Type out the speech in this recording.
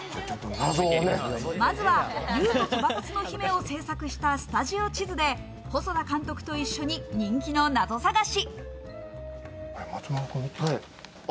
まずは『竜とそばかすの姫』を制作した、スタジオ地図で細田監督と一緒に人気のナゾ探し。